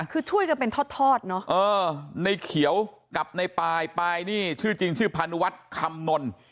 คือช่วยจะเป็นทอดเนาะเออนายเขียวกับนายปลายปลายนี่ชื่อจริงชื่อพาณุวัฒน์คำนล